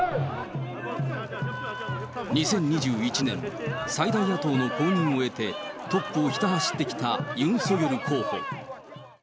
２０２１年、最大野党の公認を得て、トップをひた走ってきたユン・ソギョル候補。